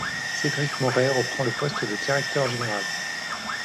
Cédric Moret reprend le poste de directeur général.